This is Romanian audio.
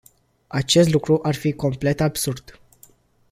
Acest lucru ar fi complet absurd.